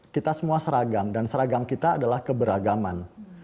kita semua seragam dan seragam kita adalah keberagaman